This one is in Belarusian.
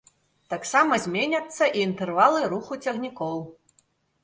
Таксама зменяцца і інтэрвалы руху цягнікоў.